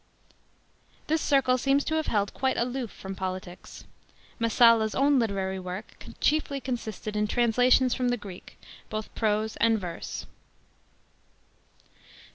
This circle seems to have held quite aloof from politics. MessalU's own literary work chiefly consisted in translations from the Greek, both prose and verse.